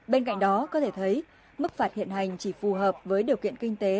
bên cạnh đó có thể thấy mức phạt hiện hành chỉ phù hợp với điều kiện kinh tế